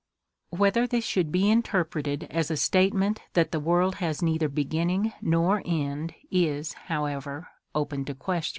Whether this should be interpreted as a statement that the world has neither beginning nor end is, however, open to question.